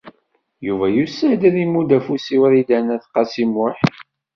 Yuba yusa-d ad imudd afus i Wrida n At Qasi Muḥ.